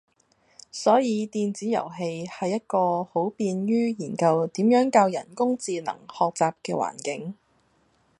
所以電子遊戲係一個好便於研究點樣教人工智能學習嘅環境